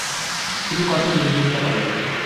তিনি কঠোর বিরোধিতা করেন।